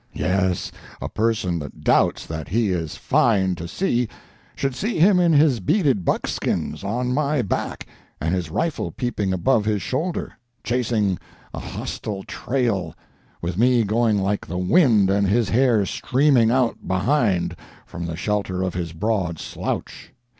Yes, a person that doubts that he is fine to see should see him in his beaded buck skins, on my back and his rifle peeping above his shoulder, chasing a hostile trail, with me going like the wind and his hair streaming out behind from the shelter of his broad slouch.